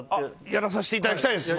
やらさせていただきたいです。